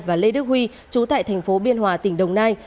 và lê đức huy chú tại tp biên hòa tỉnh đồng nai